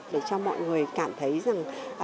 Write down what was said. để cho mọi người cảm thấy rằng